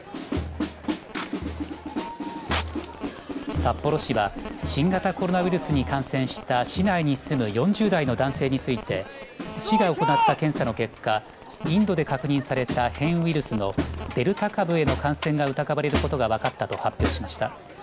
札幌市は新型コロナウイルスに感染した市内に住む４０代の男性について市が行った検査の結果インドで確認された変異ウイルスのデルタ株への感染が疑われることが分かったと発表しました。